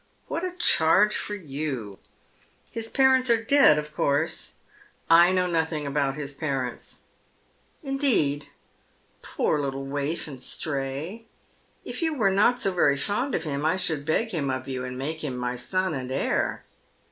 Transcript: *' What a charge for j'ou ! His parents are dead, of course?" " I know nothing about his parents." " Indeed ! Poor little waif and stray. If you were not so very fond of him I should beg him of you, and make him my son and heir."